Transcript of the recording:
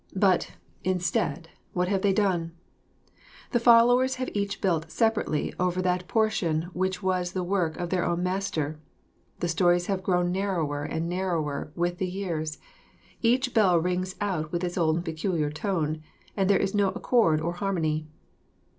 But, instead, what have they done? The followers have each built separately over that portion which was the work of their own Master. The stories have grown narrower and narrower with the years; each bell rings out with its own peculiar tone, and there is no accord or harmony.